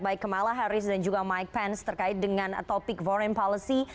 baik kamala harris dan juga mike pence terkait dengan topik foreign policy